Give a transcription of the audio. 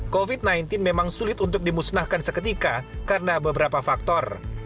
covid sembilan belas memang sulit untuk dimusnahkan seketika karena beberapa faktor